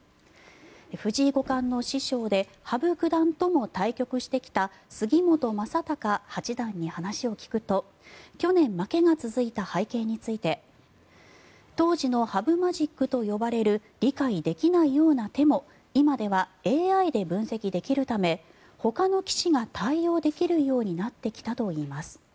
藤井五冠の師匠で羽生九段とも対局してきた杉本昌隆八段に話を聞くと去年、負けが続いた背景について当時の羽生マジックと呼ばれる理解できないような手も今ではＡＩで分析できるためほかの棋士が対応できるようになってきたといいます。